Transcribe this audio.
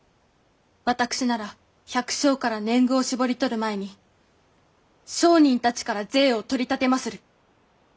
私なら百姓から年貢をしぼりとる前に商人たちから税を取り立てまする。